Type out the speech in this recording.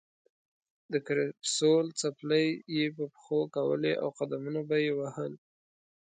د کرپسول څپلۍ یې په پښو کولې او قدمونه به یې وهل.